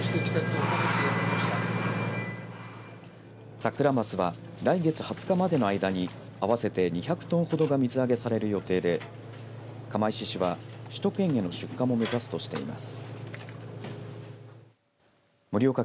サクラマスは来月２０日までの間に合わせて２００トンほどが水揚げされる予定で釜石市は首都圏への出荷も目指すとしています。